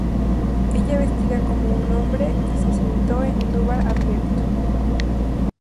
Ella vestida como un hombre y se sentó en durbar abierto.